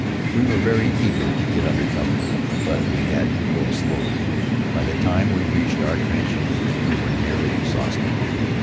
We were very eager to get under cover, but we had to go slowly. By the time we reached our trench we were nearly exhausted.